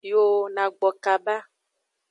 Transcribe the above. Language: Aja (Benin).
Yo na gbo kaba.